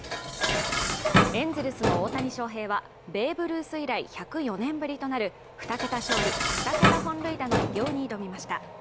エンゼルスの大谷翔平はベーブ・ルース以来、１０４年ぶりとなる２桁勝利・２桁本塁打の偉業に挑みました。